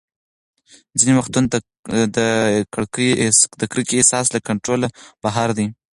ځینې وختونه د کرکې احساس له کنټروله بهر دی.